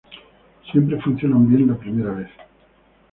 Siempre funcionan bien la primera vez.